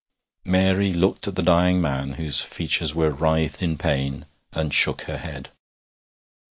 Mary looked at the dying man, whose features were writhed in pain, and shook her head.